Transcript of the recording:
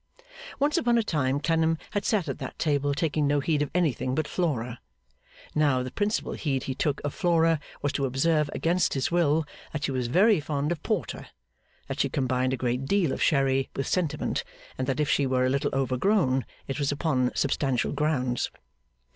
Once upon a time Clennam had sat at that table taking no heed of anything but Flora; now the principal heed he took of Flora was to observe, against his will, that she was very fond of porter, that she combined a great deal of sherry with sentiment, and that if she were a little overgrown, it was upon substantial grounds.